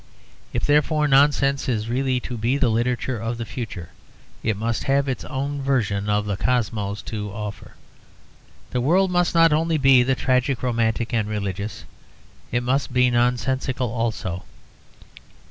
If, therefore, nonsense is really to be the literature of the future, it must have its own version of the Cosmos to offer; the world must not only be the tragic, romantic, and religious, it must be nonsensical also.